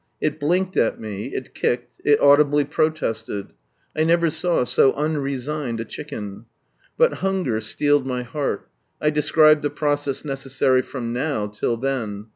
It blinked at me, it kicked, it audibly protested. I never saw so unresigned a chicken. But hunger steeled my heart I described the process necessary from now, till t/ieti.